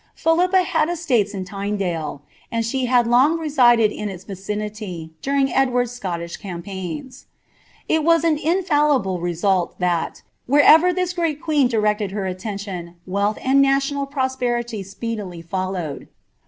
Philippa had estates in Tyne ind she had long resided in its vicinity, during Edward's Scottish igps. It was an infallible result, that, wherever this great queen •a her attention, wealth and national prosperity speedily followed.